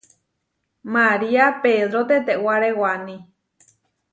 Maria pedro tetewáre waní.